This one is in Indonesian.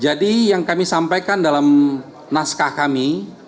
jadi yang kami sampaikan dalam naskah kami